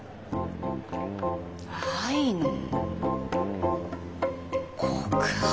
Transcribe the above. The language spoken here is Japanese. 愛の告白？